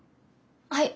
はい。